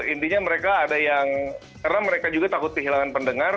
intinya mereka ada yang karena mereka juga takut kehilangan pendengar